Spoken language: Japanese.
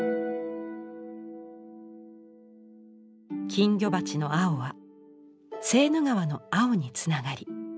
金魚鉢の青はセーヌ川の青につながり